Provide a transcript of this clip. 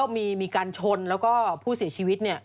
มีการชนแล้วก็ผู้เสียชีวิต